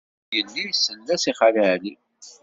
Ur yelli isell-as i Xali Ɛli.